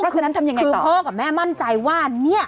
คือนั้นทำอย่างไรต่อคือพ่อกับแม่มั่นใจว่านี่